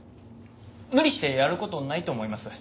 無理してやることないと思います。